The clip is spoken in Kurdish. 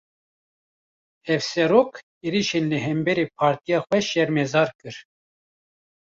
Hevserok, êrîşên li hemberî partiya xwe şermezar kir